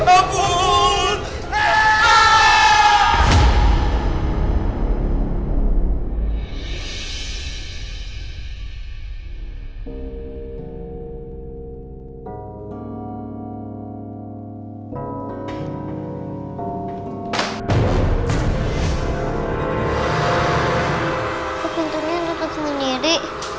apa entre nek tak sebenernya di